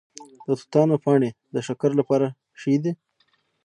د توتانو پاڼې د شکر لپاره ښې دي؟